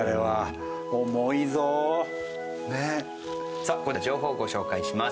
さあここで情報をご紹介します。